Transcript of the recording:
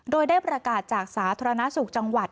โดยได้ประกาศจากสาธารณสุขจังหวัด